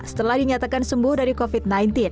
setelah dinyatakan sembuh dari covid sembilan belas